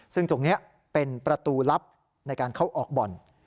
ซึ่งตรงนี้เป็นประตูลับในการเข้าออกบ่อน